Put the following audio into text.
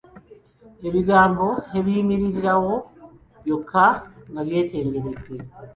Ebigambo ebiyimirirawo byokka nga byetengeredde.